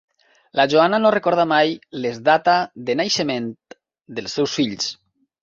La Joana no recorda mai les data de naixement dels seus fills.